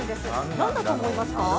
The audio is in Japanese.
何だと思いますか？